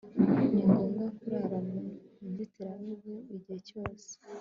ni ngombwa kurara mu nzitiramibu igihe cyose